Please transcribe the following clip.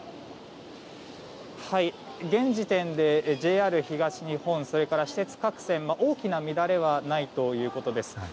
現時点でＪＲ東日本私鉄各線大きな乱れはないということです。